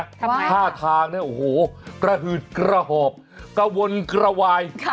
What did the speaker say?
จับป้าย๕ทางประหืดกระหบกะวนกระวาย